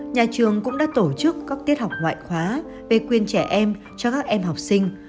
nhà trường cũng đã tổ chức các tiết học ngoại khóa về quyền trẻ em cho các em học sinh